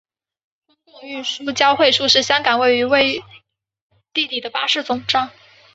公共运输交汇处是香港唯一位于地底的巴士总站。